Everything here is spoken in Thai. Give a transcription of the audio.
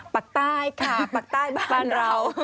ปากใต้ค่ะปากใต้บ้านเรา